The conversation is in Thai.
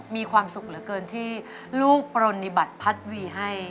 มีความสุขเหลือเกินที่ลูกปรณิบัติพัดวีให้